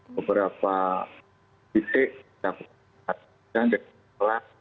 beberapa titik yang dikatakan adalah